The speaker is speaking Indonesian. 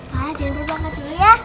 pak jangan lupa bangkat dulu ya